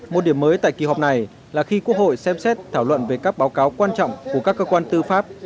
một điểm mới tại kỳ họp này là khi quốc hội xem xét thảo luận về các báo cáo quan trọng của các cơ quan tư pháp